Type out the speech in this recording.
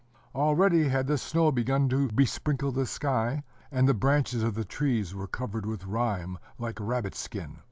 Already had the snow begun to besprinkle the sky, and the branches of the trees were covered with rime like rabbit skin.